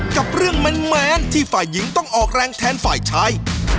กับเรื่องแมนที่ฝ่ายหญิงต้องออกแรงแทนฝ่ายชาย